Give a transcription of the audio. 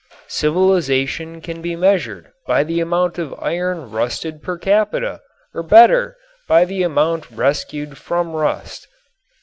Civilization can be measured by the amount of iron rusted per capita, or better, by the amount rescued from rust.